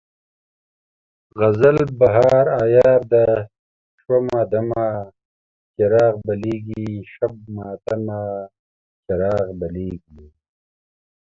غزل: بهار عیار ده شومه دمه، چراغ بلیږي شبِ ماتمه، چراغ بلیږي